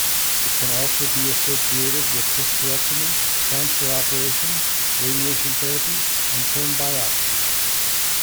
It can also be associated with hysterectomy, cancer operations, radiation therapy and cone biopsy.